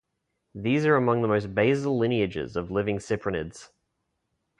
These are among the most basal lineages of living cyprinids.